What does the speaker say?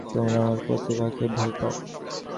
তোমরা আমার প্রতিভাকে ভয় পাও।